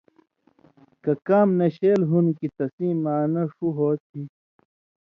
کہ کام نشیل ہون٘د کھیں تسیں معنہ ݜُو ہو تھی۔